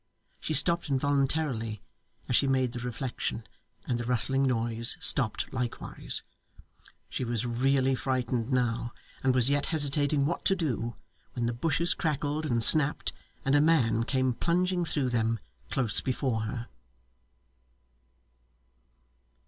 She stopped involuntarily as she made the reflection, and the rustling noise stopped likewise. She was really frightened now, and was yet hesitating what to do, when the bushes crackled and snapped, and a man came plunging through them, close before her.